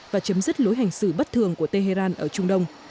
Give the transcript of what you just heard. và chấm dứt lối hành xử bất thường của tehran ở trung đông